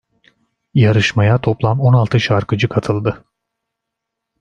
Yarışmaya toplam on altı şarkıcı katıldı.